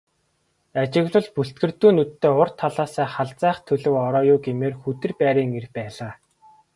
Ажиглавал бүлтгэрдүү нүдтэй урд талаасаа халзайх төлөв ороо юу гэмээр, хүдэр байрын эр байлаа.